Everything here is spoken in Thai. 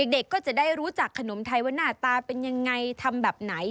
เด็กก็จะได้รู้จักขนมไทยว่าหน้าตาเป็นยังไงทำแบบไหน